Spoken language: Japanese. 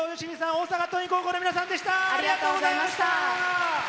大阪桐蔭高校の皆さんでした。